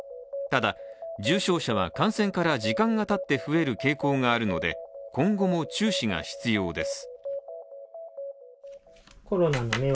ただ、重症者は感染から時間がたって増える傾向があるので、今後も注視が必要です。